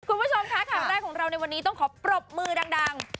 คุณผู้ชมคะค่ะในวันนี้ต้องขอปรบมือดัง